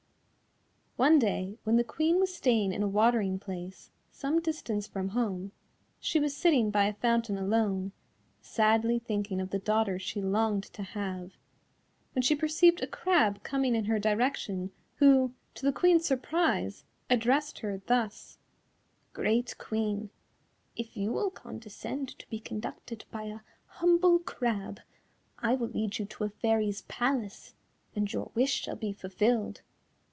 One day when the Queen was staying in a watering place, some distance from home, she was sitting by a fountain alone, sadly thinking of the daughter she longed to have, when she perceived a crab coming in her direction, who, to the Queen's surprise, addressed her thus: "Great Queen, if you will condescend to be conducted by a humble crab, I will lead you to a Fairies' palace and your wish shall be fulfilled."